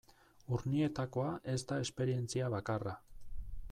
Urnietakoa ez da esperientzia bakarra.